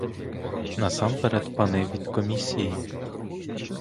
Насамперед пани від комісії.